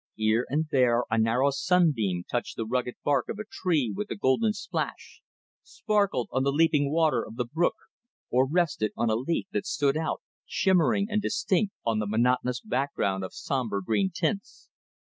Here and there a narrow sunbeam touched the rugged bark of a tree with a golden splash, sparkled on the leaping water of the brook, or rested on a leaf that stood out, shimmering and distinct, on the monotonous background of sombre green tints.